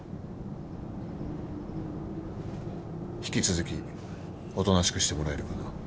引き続きおとなしくしてもらえるかな。